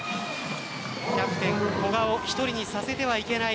キャプテン・古賀を１人にさせてはいけない。